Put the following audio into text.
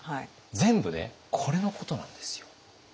全部ねこれのことなんですよ。